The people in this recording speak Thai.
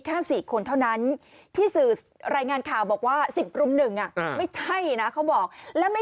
อยากให้เขาเจอบ้างว่าถ้าเขาเวิ่นใส่คนอื่นอยากให้เขารองเวิ่นใส่